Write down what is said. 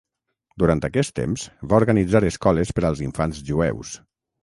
Durant aquest temps va organitzar escoles per als infants jueus.